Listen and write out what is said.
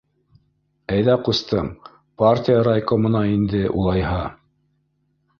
- Әйҙә, ҡустым, партия райкомына инде улайһа